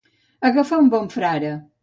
Agafar un bon frare.